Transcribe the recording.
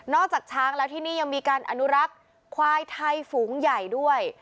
จากช้างแล้วที่นี่ยังมีการอนุรักษ์ควายไทยฝูงใหญ่ด้วย